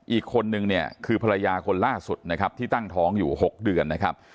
อีกคนนึงเนี่ยคือภรรยาคนล่าสุดนะครับที่ตั้งท้องอยู่๖เดือนนะครับ